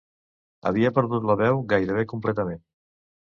Havia perdut la veu gairebé completament